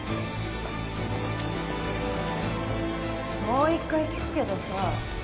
もう一回聞くけどさ。